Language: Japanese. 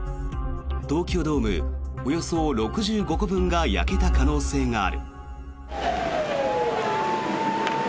東京ドームおよそ６５個分が焼けた可能性がある。